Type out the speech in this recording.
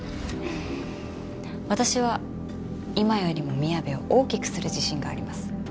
私は今よりもみやべを大きくする自信があります。